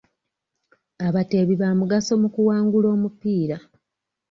Abateebi baamugaso mu kuwangula omupiira.